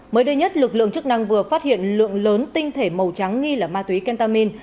mới đây nhất lực lượng chức năng vừa phát hiện lượng lớn tinh thể màu trắng nghi là ma túy kentamin